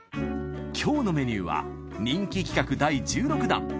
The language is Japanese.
今日のメニューは人気企画第１６弾。